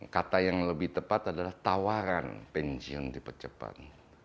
kata yang lebih tepat adalah tawaran pensiun dipercepat